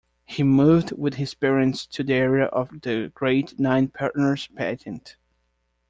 He moved with his parents to the area of the Great Nine Partners Patent.